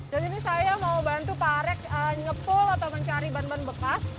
dan ini saya mau bantu pak arek nyepul atau mencari ban ban bekas